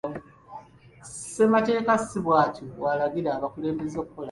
Ssemateeka ssi bwatyo bwalagira abakulembeze okukola.